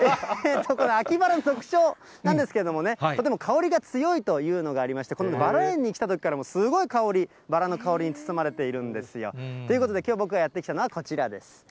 秋バラの特徴なんですけれどもね、とても香りが強いというのがありまして、このバラ園に来たときから、すごい香り、バラの香りに包まれているんですよ。ということで、きょう、僕がやって来たのはこちらです。